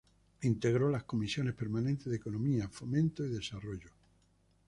Integró la Comisiones Permanentes de Economía, Fomento y Desarrollo.